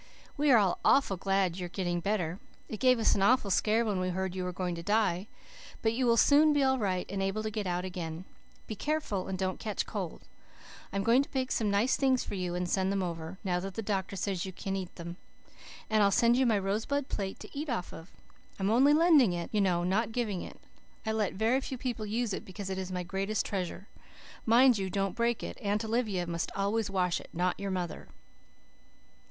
We are all awful glad you are getting better. It gave us an awful scare when we heard you were going to die. But you will soon be all right and able to get out again. Be careful you don't catch cold. I am going to bake some nice things for you and send them over, now that the doctor says you can eat them. And I'll send you my rosebud plate to eat off of. I'm only lending it, you know, not giving it. I let very few people use it because it is my greatest treasure. Mind you don't break it. Aunt Olivia must always wash it, not your mother.